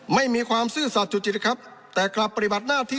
ไม่มีความซื่อสัตว์จุจิตครับแต่กลับปฏิบัติหน้าที่